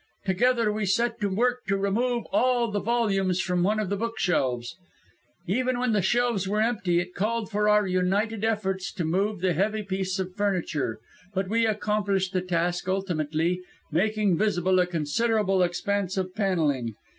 Together we set to work to remove all the volumes from one of the bookshelves. "Even when the shelves were empty, it called for our united efforts to move the heavy piece of furniture; but we accomplished the task ultimately, making visible a considerable expanse of panelling.